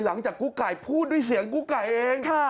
หลังจากกุ๊กไก่พูดด้วยเสียงกุ๊กไก่เอง